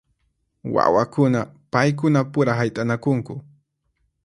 Wawakuna paykuna pura hayt'anakunku.